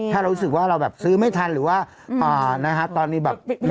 ถ้าเรารู้สึกว่าเราแบบซื้อไม่ทันหรือว่าตอนนี้แบบ